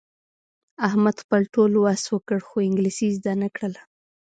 احمد خپل ټول وس وکړ، خو انګلیسي یې زده نه کړله.